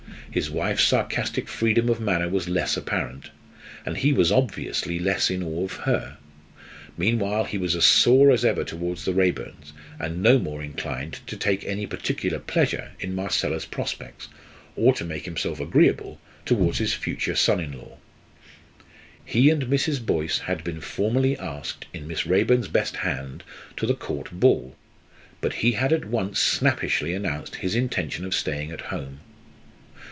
His wife's sarcastic freedom of manner was less apparent; and he was obviously less in awe of her. Meanwhile he was as sore as ever towards the Raeburns, and no more inclined to take any particular pleasure in Marcella's prospects, or to make himself agreeable towards his future son in law. He and Mrs. Boyce had been formally asked in Miss Raeburn's best hand to the Court ball, but he had at once snappishly announced his intention of staying at home.